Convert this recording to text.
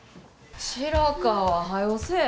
白川はよせぇ。